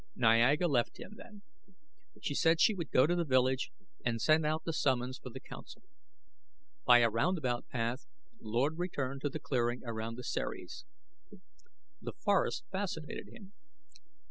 Niaga left him, then; she said she would go to the village and send out the summons for the council. By a roundabout path, Lord returned to the clearing around the Ceres. The forest fascinated him.